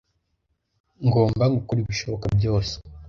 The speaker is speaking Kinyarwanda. ngomba gukora ibishoboka byose